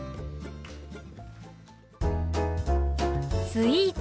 「スイーツ」。